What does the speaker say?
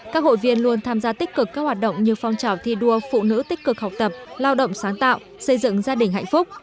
các hội viên luôn tham gia tích cực các hoạt động như phong trào thi đua phụ nữ tích cực học tập lao động sáng tạo xây dựng gia đình hạnh phúc